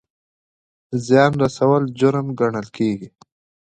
زیان رسول جرم ګڼل کیږي